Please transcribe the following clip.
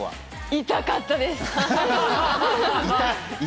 イタかったです。